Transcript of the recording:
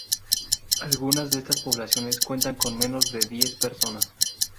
Algunas de estas poblaciones cuentan con menos de diez personas.